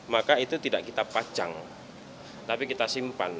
maka itu tidak kita pacang tapi kita simpan